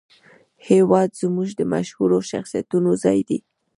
هېواد زموږ د مشهورو شخصیتونو ځای دی